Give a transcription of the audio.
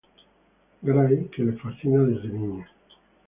Gray, que le fascina desde niña.